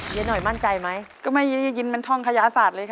หน่อยมั่นใจไหมก็ไม่ได้ยินมันท่องคายาศาสตร์เลยค่ะ